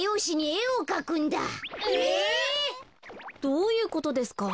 どういうことですか？